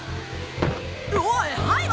おい！